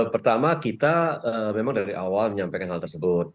pertama kita memang dari awal menyampaikan hal tersebut